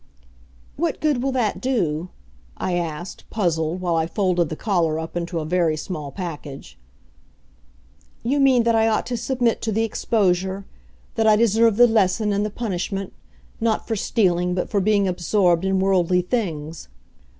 "What good will that do?" I asked, puzzled, while I folded the collar up into a very small package. "You mean that I ought to submit to the exposure that I deserve the lesson and the punishment not for stealing, but for being absorbed in worldly things.